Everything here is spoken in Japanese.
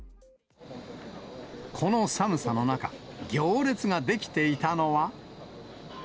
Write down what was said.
この寒さの中、行列が出来ていたのは。